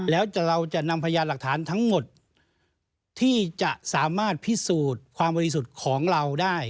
แล้วเราจะนำพยานหลักฐานทั้งหมดที่จะสามารถพิสูจน์ความบริสุทธิ์ของเราได้